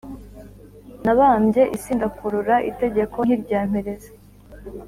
nabambye isi ndakurura itegeko ntiryampereza